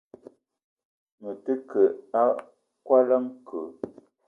Me te keu a koala nke.